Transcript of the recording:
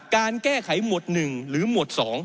การแก้ไขหมวด๑หรือหมวด๒